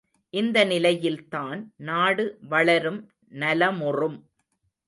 இந்த நிலையில்தான் நாடு வளரும் நலமுறும்.